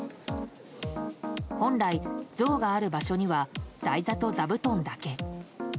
本来、像がある場所には台座と座布団だけ。